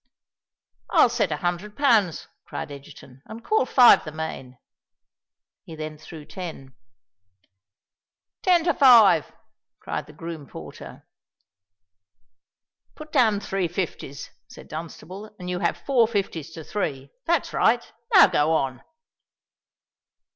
"I'll set a hundred pounds," cried Egerton, "and call five the main." He then threw ten. "Ten to five!" cried the groom porter. "Put down three fifties," said Dunstable; "and you have four fifties to three. That's right. Now go on."